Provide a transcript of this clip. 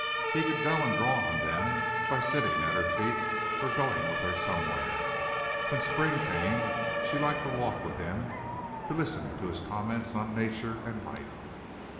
He could go and draw on them by sitting at her feet or going with her somewhere. When spring came she liked to walk with him, to listen to his comments on nature and life.